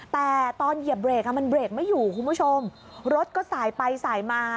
แต่ตอนเหยียบเบรกอ่ะมันเบรกไม่อยู่คุณผู้ชมรถก็สายไปสายมา